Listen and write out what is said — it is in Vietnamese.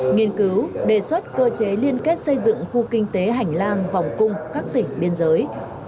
nghiên cứu đề xuất cơ chế liên kết xây dựng khu kinh tế hành lang vòng cung các tỉnh biên giới